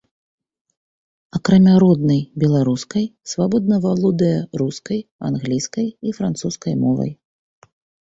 Акрамя роднай беларускай, свабодна валодае рускай, англійскай і французскай мовай.